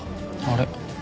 あれ？